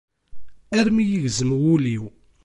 Armi yegzem wul-iw.